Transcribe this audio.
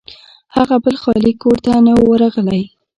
هغه بل خالي کور ته نه و ورغلی.